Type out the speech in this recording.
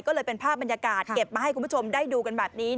ก็เลยเป็นภาพบรรยากาศเก็บมาให้คุณผู้ชมได้ดูกันแบบนี้